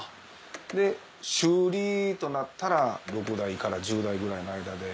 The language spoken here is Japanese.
修理となったら６台から１０台ぐらいの間で。